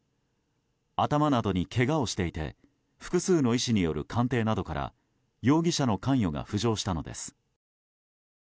頭などにけがをしていて複数の医師による鑑定などから容疑者の関与が浮上したのです。